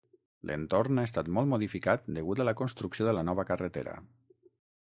L'entorn ha estat molt modificat degut a la construcció de la nova carretera.